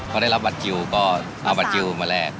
พอได้รับบัตรคิวก็เอาบัตรคิวมาแลก